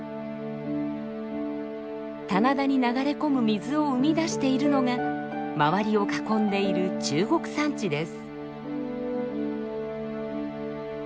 棚田に流れ込む水を生み出しているのがまわりを囲んでいる中国山地です。